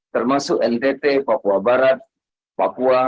termasuk ntt papua barat papua